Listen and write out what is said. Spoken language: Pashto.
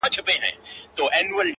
• د دې لپاره چي ډېوه به یې راځي کلي ته؛